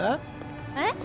えっ？